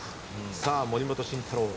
さあ森本慎太郎